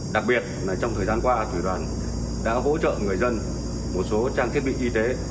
đặc biệt là trong thời gian qua thủy đoàn đã hỗ trợ người dân một số trang thiết bị y tế